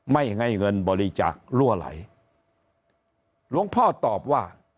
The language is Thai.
ไม่ให้เงินบริจาคลั่วไหลหลวงพ่อตอบว่า